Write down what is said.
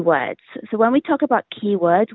jadi ketika kita bicara tentang kata kata